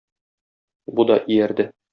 Бу да иярде.